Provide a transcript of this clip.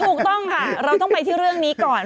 ถูกต้องค่ะเราต้องไปที่เรื่องนี้ก่อน